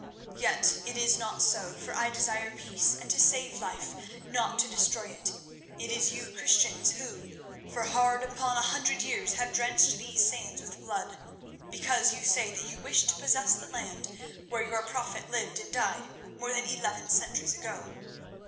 Yet it is not so, for I desire peace and to save life, not to destroy it. It is you Christians who for hard upon a hundred years have drenched these sands with blood, because you say that you wish to possess the land where your prophet lived and died more than eleven centuries ago.